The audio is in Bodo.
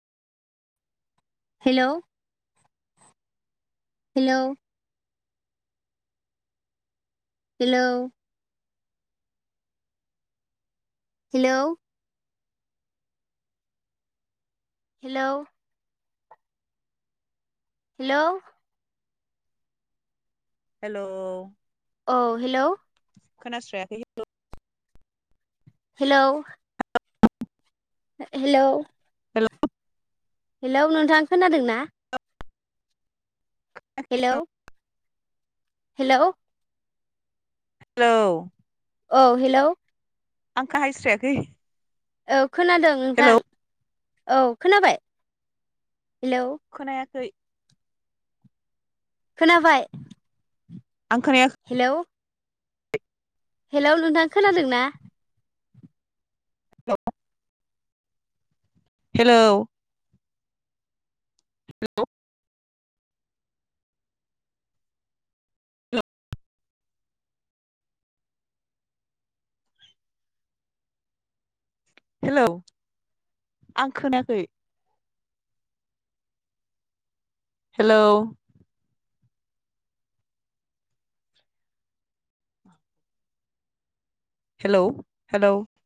hello hello hello hello hello hello hello औ हेलौ खोनास्रायाखै किनतु हेलौ हेलौ हेलौ हेलौ नोंथां खोनादों ना हेलौ [unintelligible] हेलौ हेलौ औ हेलौ आंखो हायस्रायाखै औ खोनादों नोंथां औ खोनाबाय हेलौ खोनायाखै खोनाबाय आं खोनायाखै हेलौ हेलौ नोंथां खोनादों ना हेलौ हेलौ हेलौ आं खोनायाखै हेलौ हेलौ हेलौ